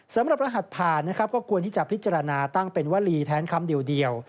สำหรับรหัสผ่านก็ควรที่จะพิจารณาตั้งเป็นวลีแท้นคำเดียว